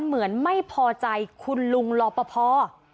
เหมือนไม่พอใจคุณลุงลอบพพอร์